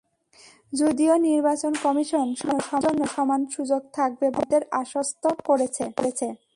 যদিও নির্বাচন কমিশন সবার জন্য সমান সুযোগ থাকবে বলে আমাদের আশ্বস্ত করেছে।